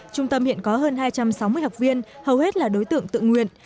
trung tâm hiện có hơn hai trăm sáu mươi học viên hầu hết là đối tượng tự nguyện